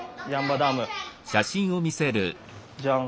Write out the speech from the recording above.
じゃん。